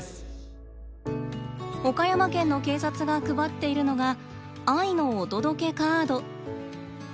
岡山県の警察が配っているのが「愛のお届けカード」。